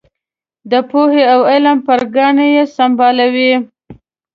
د پوهې او علم پر ګاڼه یې سمبالوي.